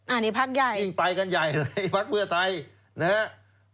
อันนี้พักใหญ่พักเพื่อไทยยิ่งไตกันใหญ่เลย